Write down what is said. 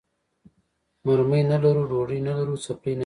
مرمۍ نه لرو، ډوډۍ نه لرو، څپلۍ نه لرو.